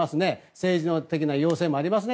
政治的な要請もありますね。